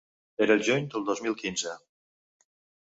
Era el juny del dos mil quinze.